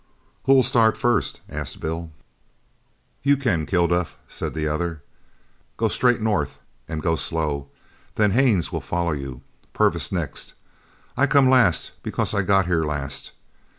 "Who'll start first?" asked Bill. "You can, Kilduff," said the other. "Go straight north, and go slow. Then Haines will follow you. Purvis next. I come last because I got here last.